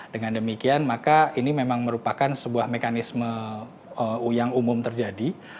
dengan demikian maka ini memang merupakan sebuah mekanisme yang umum terjadi